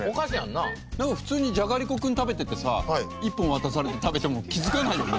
なんか普通にじゃがりこ食べててさ１本渡されて食べても気づかないよね。